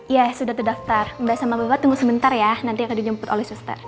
ya sudah terdaftar mbak sama bapak tunggu sebentar ya nanti akan dijemput oleh suster